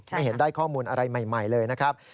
ไม่เห็นได้ข้อมูลอะไรใหม่เลยนะครับ